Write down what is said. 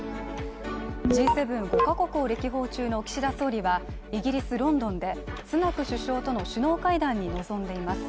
Ｇ７、５か国を歴訪中の岸田総理はイギリス・ロンドンでスナク首相との首脳会談に臨んでいます。